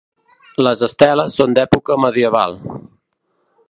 Les esteles són d’època medieval.